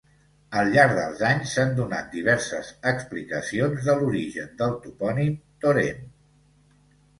Al llarg dels anys s'han donat diverses explicacions de l'origen del topònim Torèn.